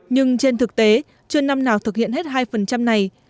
nhưng trên thực tế chưa năm nào thực hiện hết hai này